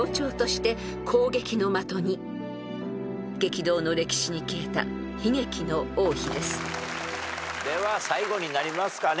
［激動の歴史に消えた悲劇の王妃です］では最後になりますかね